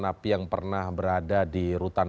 napi yang pernah berada di rutan